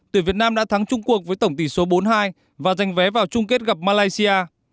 tuyển việt nam đã thắng trung quốc với tổng tỷ số bốn mươi hai và giành vé vào chung kết gặp malaysia